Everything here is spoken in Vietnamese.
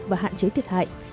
và hạn chế thiệt hại